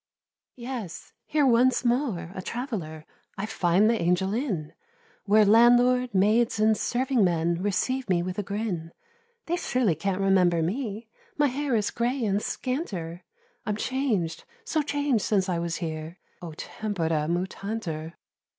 Yes! here, once more, a traveller, I find the Angel Inn, Where landlord, maids, and serving men, Receive me with a grin: They surely can't remember me, My hair is grey and scanter; I'm chang'd, so chang'd since I was here— "O tempora mutantur!"